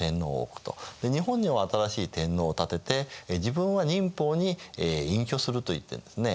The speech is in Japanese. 日本には新しい天皇を立てて自分は寧波に隠居すると言ってるんですね。